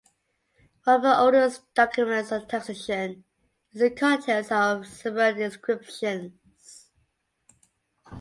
One of the oldest documents on taxation is the contents of Sumerian inscriptions.